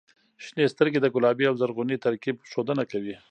• شنې سترګې د ګلابي او زرغوني ترکیب ښودنه کوي.